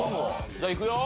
じゃあいくよ。